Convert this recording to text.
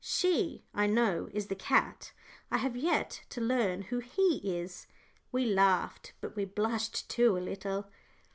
'She,' I know, is 'the cat.' I have yet to learn who 'he' is." We laughed, but we blushed too, a little.